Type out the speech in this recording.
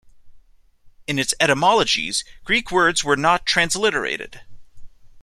In its etymologies, Greek words were not transliterated.